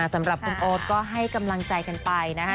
สำหรับคุณโอ๊ตก็ให้กำลังใจกันไปนะคะ